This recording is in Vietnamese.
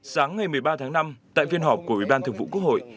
sáng ngày một mươi ba tháng năm tại phiên họp của ủy ban thường vụ quốc hội